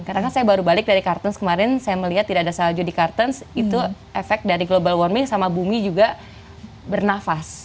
karena saya baru balik dari carthens kemarin saya melihat tidak ada salju di carthens itu efek dari global warming sama bumi juga bernafas